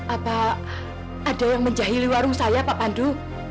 apa ada yang menjahili warung saya pak pandu